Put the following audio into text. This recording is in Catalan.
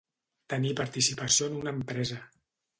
Tenir participació en una empresa.